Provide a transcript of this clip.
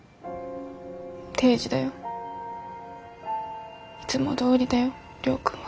定時だよ。いつもどおりだよ亮君は。